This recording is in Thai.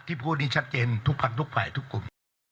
พูดนี้ชัดเจนทุกพักทุกฝ่ายทุกกลุ่ม